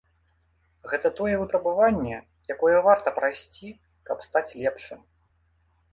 Гэта тое выпрабаванне, якое варта прайсці, каб стаць лепшым.